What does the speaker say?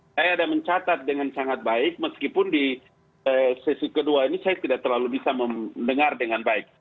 saya ada mencatat dengan sangat baik meskipun di sesi kedua ini saya tidak terlalu bisa mendengar dengan baik